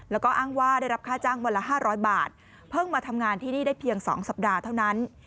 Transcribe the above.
แล้วก็อ้างว่าได้รับค่าจ้างวันละ๕๐๐บาทเพิ่งมาทำงานที่นี่ได้เพียง๒สัปดาห์เท่านั้น